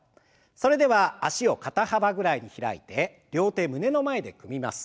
それでは脚を肩幅ぐらいに開いて両手胸の前で組みます。